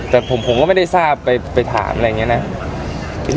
แต่ผมก็ไม่ได้ทราบไปถามอะไรอย่างนี้นะ